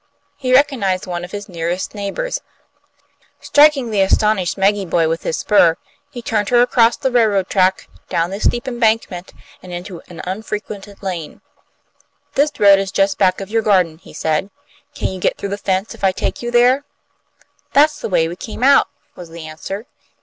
He recognized one of his nearest neighbours. Striking the astonished Maggie Boy with his spur, he turned her across the railroad track, down the steep embankment, and into an unfrequented lane. "This road is just back of your garden," he said. "Can you get through the fence if I take you there?" "That's the way we came out," was the answer.